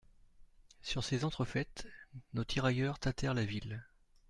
Sur ces entrefaites, nos tirailleurs tâtèrent la ville.